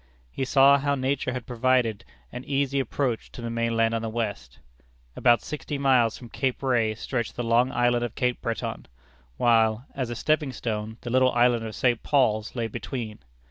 He saw how nature had provided an easy approach to the mainland on the west. About sixty miles from Cape Ray stretched the long island of Cape Breton, while, as a stepping stone, the little island of St. Paul's lay between.